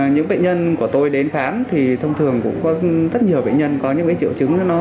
những bệnh nhân của tôi đến khám thì thông thường cũng có rất nhiều bệnh nhân có những triệu chứng